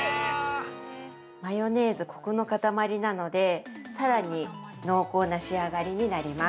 マヨネーズ、コクの塊なのでさらに濃厚な仕上がりになります。